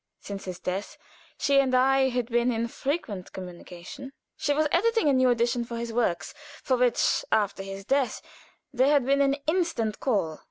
Since his death, she and I had been in frequent communication; she was editing a new edition of his works, for which, after his death, there had been an instant call.